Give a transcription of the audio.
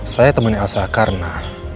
saya temenin elsa karena